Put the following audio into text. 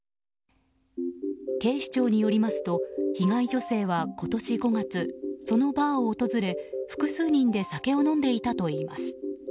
警視庁によりますと被害女性は今年５月そのバーを訪れ、複数人で酒を飲んでいたといいます。